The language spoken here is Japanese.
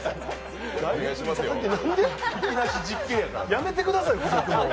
やめてください。